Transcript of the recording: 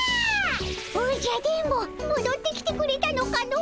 おじゃ電ボもどってきてくれたのかの。